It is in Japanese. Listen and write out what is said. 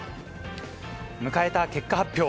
迎えた結果発表。